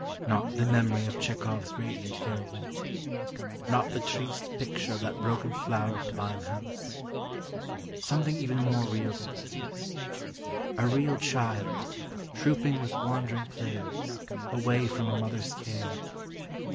not the memory of Chekhov's radiant heroine ... not the triste picture of that broken flower of the Limehouse ... something even more real than these: a real child, trouping with wandering players, away from a mother's care